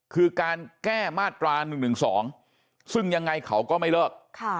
คือการแก้มาตรา๑๑๒ซึ่งยังไงเขาก็ไม่เลิก